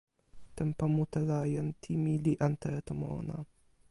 tenpo mute la jan Timi li ante e tomo ona.